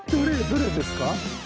どれですか？